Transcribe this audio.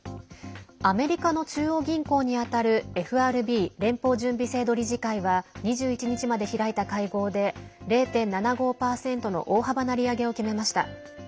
アメリカの中央銀行にあたるＦＲＢ＝連邦準備制度理事会は２１日まで開いた会合で０．７５％の大幅な利上げを決めました。